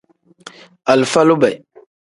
Alifa lube.